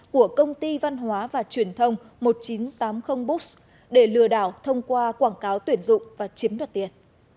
của công ty văn hóa và truyền thông một nghìn chín trăm tám mươi books để lừa đảo thông qua quảng cáo tuyển dụng và chiếm đoạt tiền